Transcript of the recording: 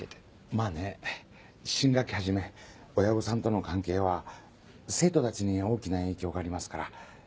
まぁね新学期はじめ親御さんとの関係は生徒たちに大きな影響がありますから。